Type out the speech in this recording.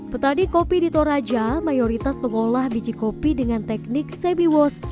petani kopi di toraja mayoritas mengolah biji kopi dengan teknik sebi wash